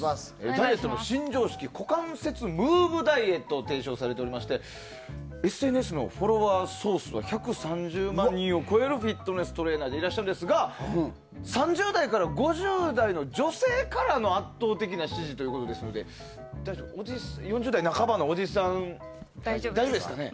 ダイエットの新常識股関節ムーブダイエットを提唱されておりましてＳＮＳのフォロワー総数が１３０万人を超えるフィットネストレーナーでいらっしゃるんですが３０代から５０代の女性からの圧倒的な支持ということですので４０代半ばのおじさんで大丈夫ですかね？